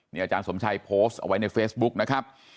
อาจารย์สมชัยโพสต์เอาไว้ในเฟซบุ๊กนะครับ